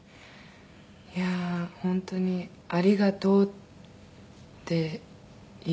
いやあ本当に「ありがとう」って言いたいですしあの。